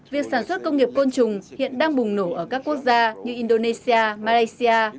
việc sản xuất công nghiệp côn trùng hiện đang bùng nổ ở các quốc gia như indonesia malaysia